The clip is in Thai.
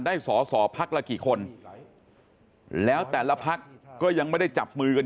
ได้สอสอพักละกี่คนแล้วแต่ละพักก็ยังไม่ได้จับมือกัน